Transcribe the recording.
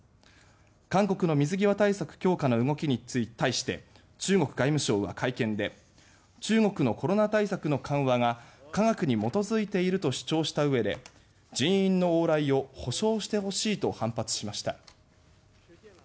韓国の水際対策強化の動きに対して中国外務省は会見で中国のコロナ対策の緩和が科学に基づいていると主張したうえで「人員の往来を保障してほしい」と反発しました。